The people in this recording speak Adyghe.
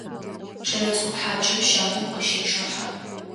Кӏэлэцӏыкӏу хьакӏэм щагум къыщечъыхьэ.